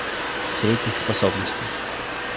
Средних способностей.